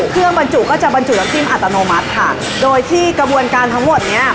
บรรจุก็จะบรรจุน้ำจิ้มอัตโนมัติค่ะโดยที่กระบวนการทั้งหมดเนี้ย